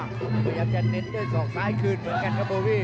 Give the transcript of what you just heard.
พยายามจะเน้นด้วยศอกซ้ายคืนเหมือนกันครับโบวี่